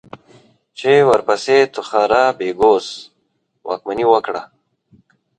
چې ورپسې توخارا يبگوس واکمني وکړه.